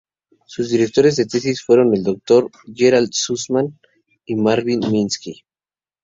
Sus directores de tesis fueron el doctor Gerald Sussman y Marvin Minsky.